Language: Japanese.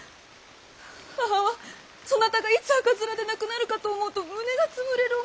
母はそなたがいつ赤面で亡くなるかと思うと胸が潰れる思いでございました！